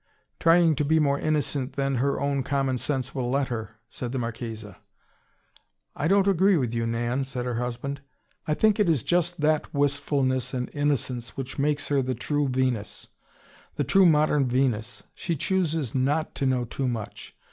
"Trying to be more innocent than her own common sense will let her," said the Marchesa. "I don't agree with you, Nan," said her husband. "I think it is just that wistfulness and innocence which makes her the true Venus: the true modern Venus. She chooses NOT to know too much.